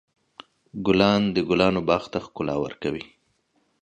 ګلان د ګلانو باغ ته ښکلا ورکوي.